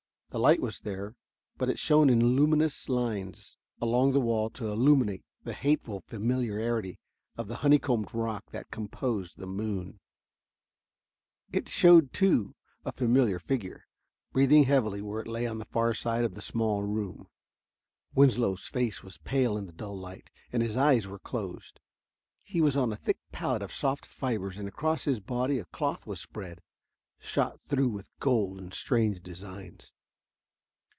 The light was there, but it shone in luminous lines along the wall to illumine the hateful familiarity of the honeycombed rock that composed the moon. It showed, too, a familiar figure, breathing heavily where it lay on the far side of the small room. Winslow's face was pale in the dull light, and his eyes were closed. He was on a thick pallet of soft fibers and across his body a cloth was spread, shot through with gold in strange designs.